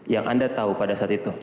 yang anda tahu pada saat itu